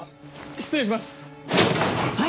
失礼します！